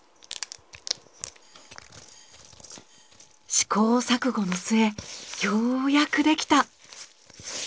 試行錯誤の末ようやくできた。